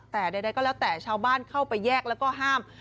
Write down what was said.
แต่ใดก็แล้วแต่ชาวบ้านเข้าไปแยกแล้วก็ห้าม